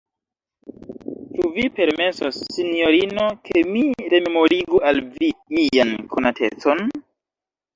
Ĉu vi permesos, sinjorino, ke mi rememorigu al vi mian konatecon?